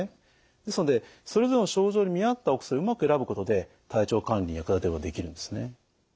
ですのでそれぞれの症状に見合ったお薬をうまく選ぶことで体調管理に役立てることができるんですね。